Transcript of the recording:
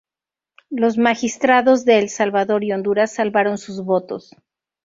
Los magistrados de El Salvador y Honduras salvaron sus votos.